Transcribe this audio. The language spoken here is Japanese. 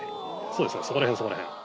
そうですねそこら辺。